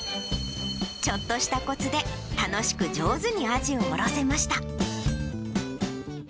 ちょっとしたこつで、楽しく上手にアジをおろせました。